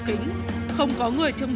sinh năm hai nghìn hai